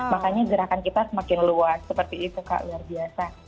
makanya gerakan kita semakin luas seperti itu kak luar biasa